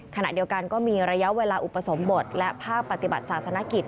ขณะเดียวกันก็มีระยะเวลาอุปสมบทและภาคปฏิบัติศาสนกิจ